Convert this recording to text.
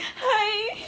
はい。